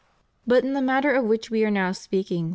But in the matter of which we are now speaking.